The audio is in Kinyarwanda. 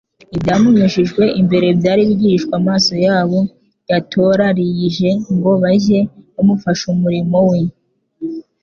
Ibyamunyujijwe imbere, byari bigihishwe amaso y'abo yatorariyije ngo bajye bamufasha umurimo we,